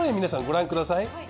皆さんご覧ください。